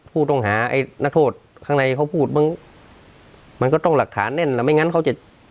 ผู้ต้องหาไอ้นักโทษข้างในเขาพูดมั้งมันก็ต้องหลักฐานแน่นแล้วไม่งั้นเขาจะ